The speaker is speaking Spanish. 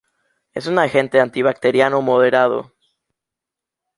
Es un agente antibacteriano moderado.